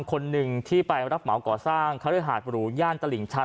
คนหนึ่งที่ไปรับเหมาก่อสร้างคฤหาดหรูย่านตลิ่งชัน